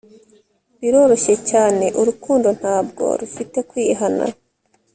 Biroroshye cyane urukundo ntabwo rufite kwihana